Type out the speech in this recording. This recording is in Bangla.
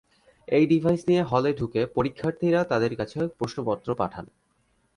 এই ডিভাইস নিয়ে হলে ঢুকে পরীক্ষার্থীরা তাঁদের কাছে প্রশ্নপত্র পাঠান।